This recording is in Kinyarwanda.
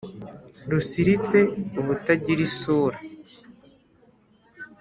rusiritse ubutagira isura,